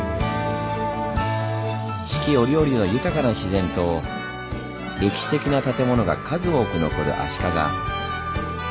四季折々の豊かな自然と歴史的な建物が数多く残る足利。